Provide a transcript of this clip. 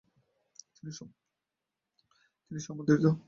তিনি সমাদৃত।